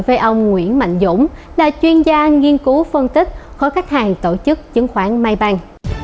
với ông nguyễn mạnh dũng là chuyên gia nghiên cứu phân tích khối khách hàng tổ chức chứng khoán